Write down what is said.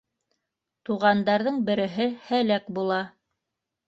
Туғандарҙың береһе һәләк була.